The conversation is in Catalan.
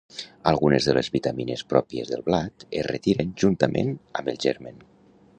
Algunes de les vitamines pròpies del blat es retiren juntament amb el germen.